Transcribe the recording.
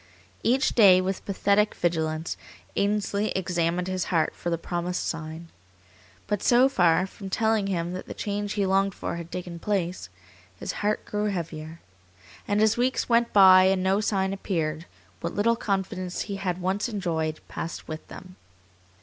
Each day, with pathetic vigilance, Ainsley examined his heart for the promised sign. But so far from telling him that the change he longed for had taken place, his heart grew heavier, and as weeks went by and no sign appeared, what little confidence he had once enjoyed passed with them.